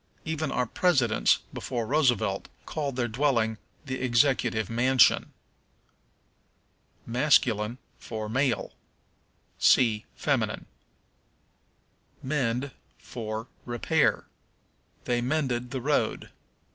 Even our presidents, before Roosevelt, called their dwelling the Executive Mansion. Masculine for Male. See Feminine. Mend for Repair. "They mended the road."